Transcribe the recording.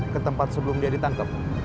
ketempat sebelum dia ditangkap